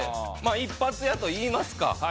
一発屋といいますか。